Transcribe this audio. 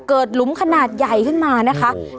เกิดหลุมขนาดใหญ่ขึ้นมานะคะโอ้โห